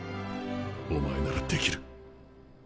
お前ならできる。